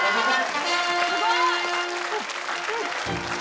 すごい！